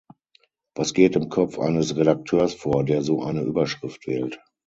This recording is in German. Was geht im Kopf eines Redakteurs vor, der so eine Überschrift wählt?